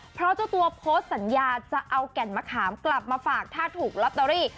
เพราะเจ้าตัวโพสต์สัญญาจะเอาแก่นมะขามกลับมาฝากถ้าถูกลอตเตอรี่